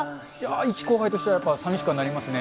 一後輩としては、やっぱり、さみしくはなりますね。